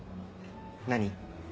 何？